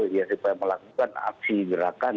ya supaya melakukan aksi gerakan